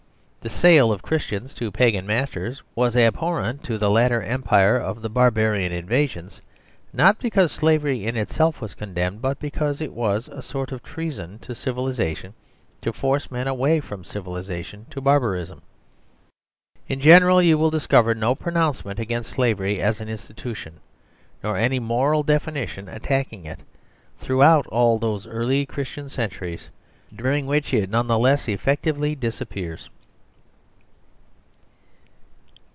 The sale of Christians to Pagan masters was abhorrent to the later empire of the Barbarian Invasions, not because slavery in itself was condemned, but because it was a sort of treason to civilisation to force men away from Civilisation to Barbarism. In general you will discover no pronounce 4 1 THE SERVILE STATE ment against slavery as an institution, nor any moral definition attacking it, throughout all those early Christian centuries during which it none the less effectively disappears.